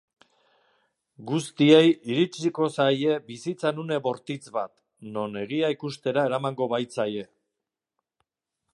Guztiei iritsiko zaie bizitzan une bortitz bat, non egia ikustera emango baitzaie.